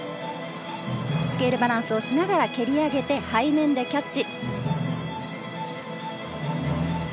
スケールバランスをしながら蹴り上げて背面でキャッチ。